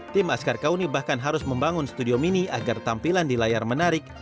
tim askar kauni bahkan harus membangun studio mini agar tampilan di layar menarik